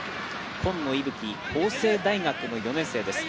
今野息吹、法政大学の４年生です。